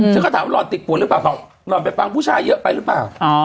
ฉันก็ถามหล่อนติดปวดหรือเปล่าหล่อนไปฟังผู้ชายเยอะไปหรือเปล่า